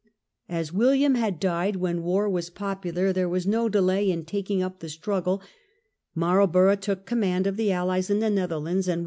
As William had died when war was popular there was no delay in taking up the struggle. Marlborough took com A promising niand of the alUes in the Netherlands, and opening.